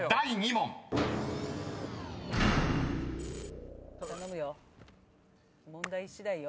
問題しだいよ。